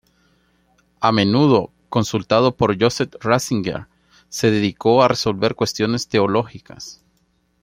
A menudo, consultado por Joseph Ratzinger, se dedicó a resolver cuestiones teológicas.